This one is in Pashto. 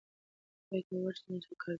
ایا ته غواړې چې موږ سره کار پیل کړې؟